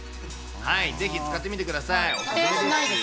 ぜひ使ってみてください。